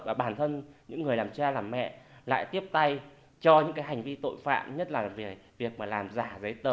và bản thân những người làm cha làm mẹ lại tiếp tay cho những hành vi tội phạm nhất là việc làm giả giấy tờ